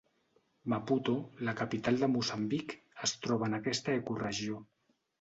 Maputo, la capital de Moçambic, es troba en aquesta ecoregió.